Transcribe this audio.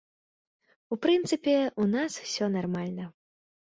У прынцыпе, у нас усё нармальна.